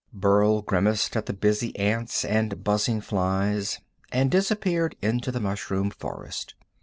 Burl grimaced at the busy ants and buzzing flies, and disappeared into the mushroom forest.